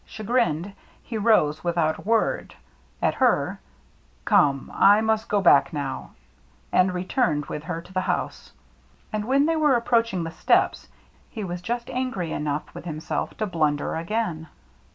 Cha grined, he rose, without a word, at her " Come, I must go back now," and returned with her to the house. And when they were approach ing the steps, he was just angry enough with himself to blunder again.